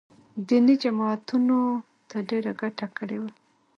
دیني جماعتونو ته ډېره ګټه کړې ده